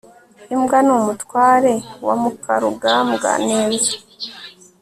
imbwa ni umutware wa mukarugambwa neza